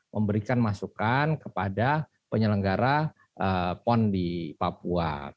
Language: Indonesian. memberikan masukan kepada penyelenggara pon di papua